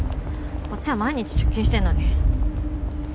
こっちは毎日出勤してんのに。